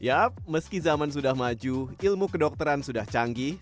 yap meski zaman sudah maju ilmu kedokteran sudah canggih